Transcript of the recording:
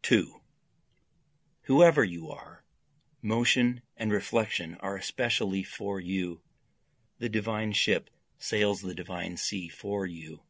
2 Whoever you are! motion and reflection are especially for you, The divine ship sails the divine sea for you.